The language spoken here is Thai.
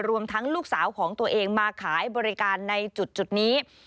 รวมทั้งลูกสาวของตัวเองมาขายบริการในจุดนี้